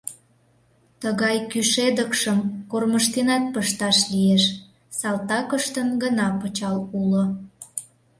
— Тыгай кӱшедыкшым кормыжтенат пышташ лиеш, салтакыштын гына пычал уло.